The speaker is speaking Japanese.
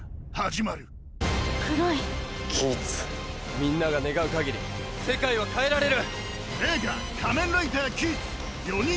みんなが願う限り世界は変えられる！